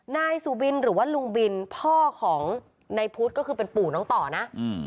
นายสุบินหรือว่าลุงบินพ่อของนายพุทธก็คือเป็นปู่น้องต่อนะ